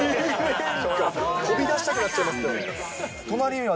飛び出したくなっちゃいますね。